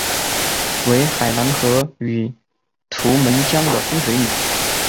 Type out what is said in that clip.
为海兰河与图们江的分水岭。